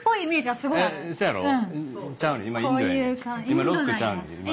今ロックちゃうねん。